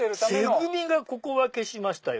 せ組がここは消しましたよ。